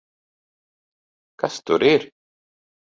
Kas tur ir?